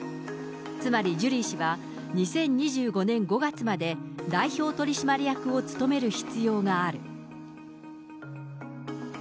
つまりジュリー氏は、２０２５年５月まで代表取締役を務める必要がある。